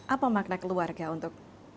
apa makna keluarga untuk pak zul